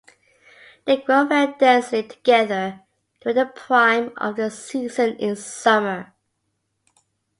They grow very densely together during the prime of the season in summer.